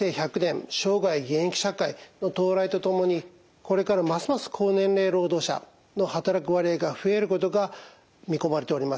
生涯現役社会の到来とともにこれからますます高年齢労働者の働く割合が増えることが見込まれております。